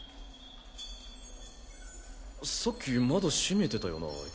さっき窓閉めてたよなあ